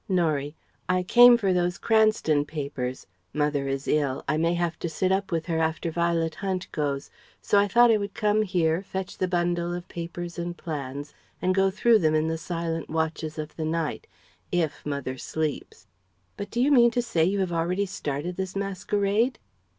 Norie: "I came for those Cranston papers. Mother is ill. I may have to sit up with her after Violet Hunt goes, so I thought I would come here, fetch the bundle of papers and plans, and go through them in the silent watches of the night, if mother sleeps. But do you mean to say you have already started this masquerade?"